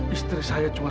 istri saya cuma satu